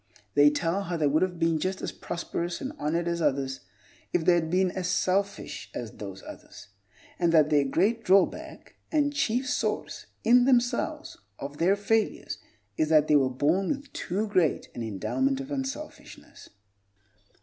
They tell how they would have been just as prosperous and honored as others if they had been as selfish as those others; and that their great drawback, and the chief source, in themselves, of their failures, is that they were born with too great an endowment of unselfishness.